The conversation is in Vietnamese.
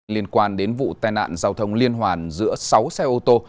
liên quan đến vụ tai nạn giao thông liên hoàn giữa sáu xe ô tô